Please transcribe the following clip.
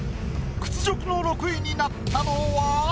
屈辱の６位になったのは？